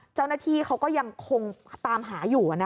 เจ้าหน้าที่เขาก็ยังคงตามหาอยู่